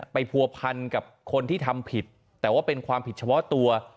ผัวพันกับคนที่ทำผิดแต่ว่าเป็นความผิดเฉพาะตัว